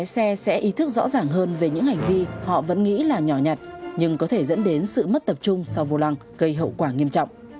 xe sẽ ý thức rõ ràng hơn về những hành vi họ vẫn nghĩ là nhỏ nhặt nhưng có thể dẫn đến sự mất tập trung sau vô lăng gây hậu quả nghiêm trọng